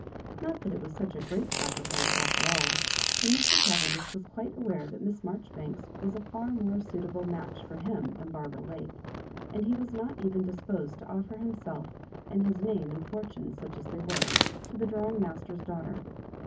Not that it was such a great sacrifice, after all. For Mr. Cavendish was quite aware that Miss Marjori banks was a far more suitable match for him than Barbara Lake, and he was not' even dis posed to offer himself and his name and fortune, such as they were, to the drawing master's daughter.